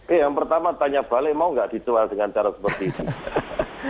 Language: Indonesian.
eh yang pertama tanya balik mau nggak ditual dengan cara seperti itu